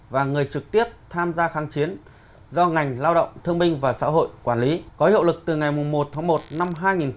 và người trực tiếp tham gia kháng chiến do ngành lao động thương minh và xã hội quản lý có hiệu lực từ ngày một tháng một năm hai nghìn hai mươi